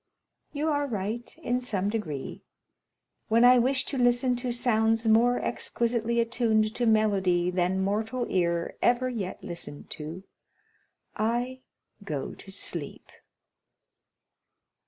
30097m "You are right, in some degree; when I wish to listen to sounds more exquisitely attuned to melody than mortal ear ever yet listened to, I go to sleep."